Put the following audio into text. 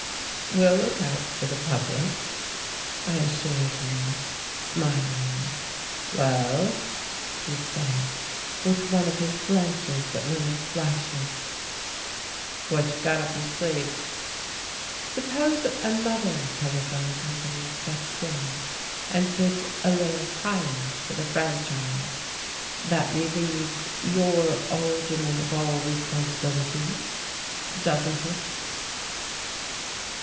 "We'll look out for the public," I assured him, smiling. "Well," he said, with one of his glances that were like flashes, "what you got up your sleeve?" "Suppose another telephone company steps in, and bids a little higher for the franchise. That relieves, your aldermen of all responsibility, doesn't it?"